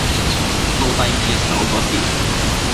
到第二日走個時